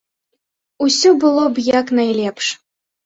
Усё было б як найлепш.